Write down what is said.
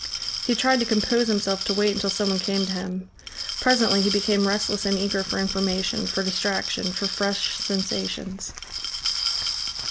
He tried to compose himself to wait until someone came to him. Presently he became restless and eager for information, for distraction, for fresh sensations.